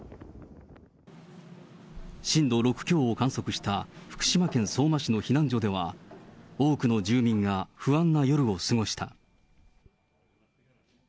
震度６強を観測した福島県相馬市の避難所では、多くの住民が不安な夜を過ごした。